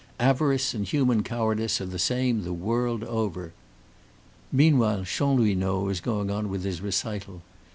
"Avarice and human cowardice are the same the world over!" Meanwhile, Chanlouineau was going on with his recital.